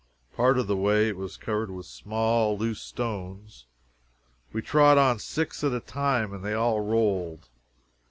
Part of the way it was covered with small, loose stones we trod on six at a time, and they all rolled.